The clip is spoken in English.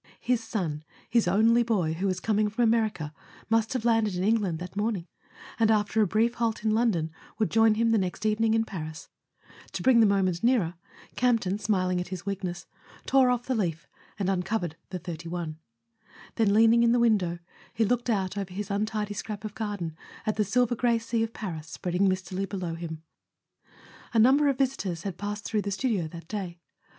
His son, his only boy, who was coming from America, must have landed in England that morn¬ ing, and after a brief halt in London would join him the next evening in Paris. To bring the moment nearer, Campton, smiling at his weakness, tore off the leaf and uncovered the 31. Then, leaning in the window, he looked out over his untidy scrap of garden at the silver grey sea of Paris spreading mistily below him. A number of visitors had passed through the studio that day.